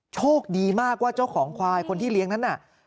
โชคดีมากว่าเจ้าของควายคนที่เลี้ยงนั้นน่ะ